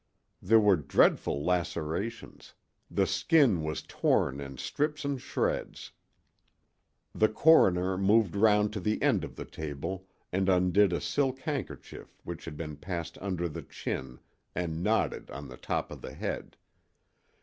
There were dreadful lacerations; the skin was torn in strips and shreds. The coroner moved round to the end of the table and undid a silk handkerchief which had been passed under the chin and knotted on the top of the head.